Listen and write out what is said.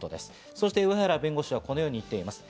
そして上原弁護士はこのように言っています。